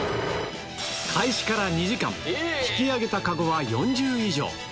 開始から２時間、引き上げた籠は４０以上。